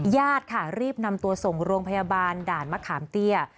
ญาติค่ะรีบนำตัวส่งโรงพยาบาลด่านมะขามเตี้ย